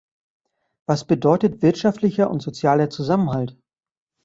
Was bedeutet wirtschaftlicher und sozialer Zusammenhalt?